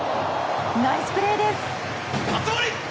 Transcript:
ナイスプレーです。